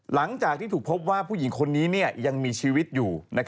หลังจากที่ถูกพบว่าผู้หญิงคนนี้ยังมีชีวิตอยู่